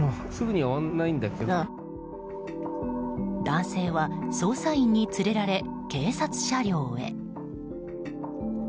男性は捜査員に連れられ警察車両へ。